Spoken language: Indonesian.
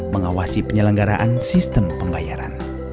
mengawasi penyelenggaraan sistem pembayaran